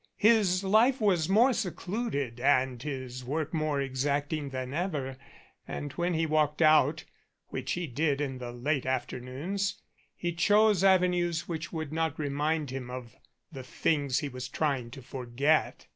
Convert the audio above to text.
His life was more secluded, and his work more exacting than ever, and when he walked out, which he did in the late after noons, he choose avenues which would not remind him of the things he was trying to forget.